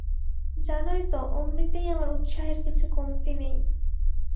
জানই তো অমনিতেই আমার উৎসাহের কিছু কমতি নেই।